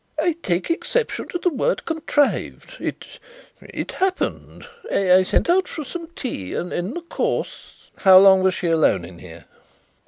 "I take exception to the word 'contrived.' It it happened. I sent out for some tea, and in the course " "How long was she alone in here?"